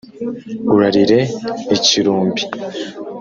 urarire ikirumbi,